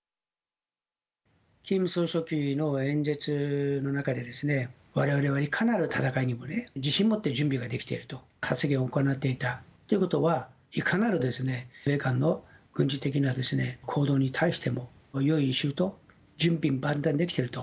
キム総書記の演説の中で、われわれはいかなる戦いにも、自信持って準備ができていると、発言を行っていたということは、いかなる米韓の軍事的な行動に対しても、用意周到、準備万端できていると。